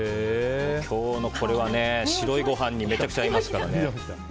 今日のこれは白いご飯にめちゃくちゃ合いますからね。